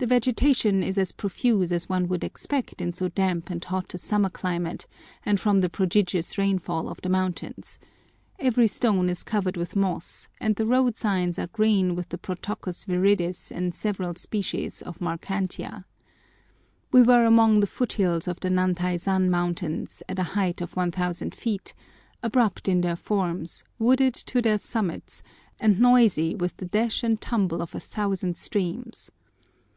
The vegetation is as profuse as one would expect in so damp and hot a summer climate, and from the prodigious rainfall of the mountains; every stone is covered with moss, and the road sides are green with the Protococcus viridis and several species of Marchantia. We were among the foothills of the Nantaizan mountains at a height of 1000 feet, abrupt in their forms, wooded to their summits, and noisy with the dash and tumble of a thousand streams.